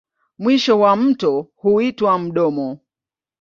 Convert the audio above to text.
Mwisho wa mto huitwa mdomo.